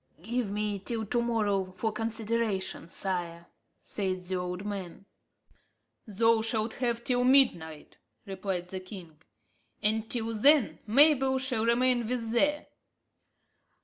"Give me till to morrow for consideration, sire," said the old man. "Thou shalt have till midnight," replied the king; "and till then Mabel shall remain with thee."